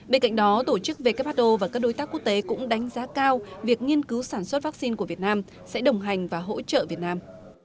bên cạnh đó tổ chức who và các đối tác quốc tế cũng đánh giá cao việc nghiên cứu sản xuất vaccine của việt nam sẽ đồng hành và hỗ trợ việt nam